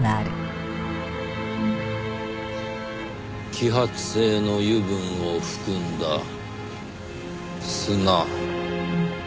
揮発性の油分を含んだ砂。